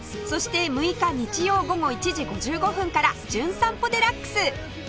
そして６日日曜午後１時５５分から『じゅん散歩デラックス』！